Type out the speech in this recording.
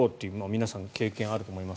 皆さん経験あると思います。